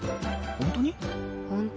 本当に。